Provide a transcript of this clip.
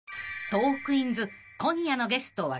［『トークィーンズ』今夜のゲストは］